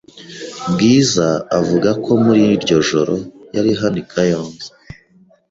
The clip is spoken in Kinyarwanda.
Bwiza avuga ko muri iryo joro yari hano i kayonza